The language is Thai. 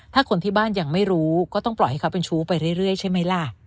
ถ้าคนที่บ้านยังไม่รู้ก็ต้องปล่อยให้เขาเป็นชู้ไปเรื่อยใช่ไหมล่ะ